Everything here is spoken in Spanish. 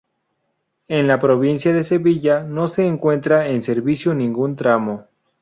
En la provincia de Sevilla no se encuentra en servicio ningún tramo.